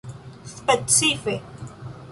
specife